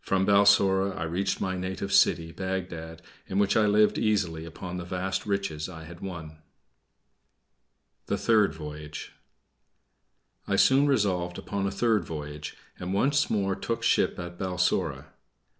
From Balsora I reached my native city, Bagdad, in which I lived easily upon the vast riches I had won. THE THIRD VOYAGE I soon resolved upon a third voyage, and once more took ship at Balsora.